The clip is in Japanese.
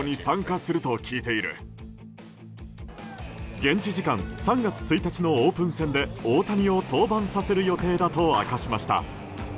現地時間３月１日のオープン戦で大谷を登板させる予定だと明かしました。